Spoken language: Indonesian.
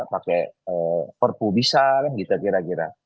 pakai perpu bisa kan gitu kira kira